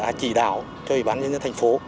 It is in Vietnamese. đã chỉ đạo cho ủy ban nhân dân thành phố